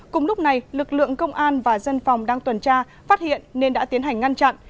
cùng lúc này lực lượng công an và dân phòng đang tuần tra phát hiện nên đã tiến hành ngăn chặn